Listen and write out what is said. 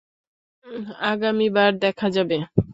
আগামীবার দেখা যাবে।